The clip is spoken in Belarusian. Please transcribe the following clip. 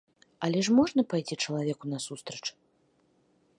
Але ж можна пайсці чалавеку насустрач?